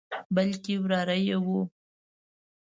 بلکې وراره یې وو.